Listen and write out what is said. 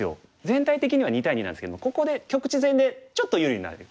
全体的には２対２なんですけどここで局地戦でちょっと優位になれる。